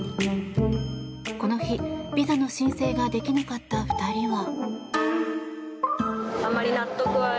この日、ビザの申請ができなかった２人は。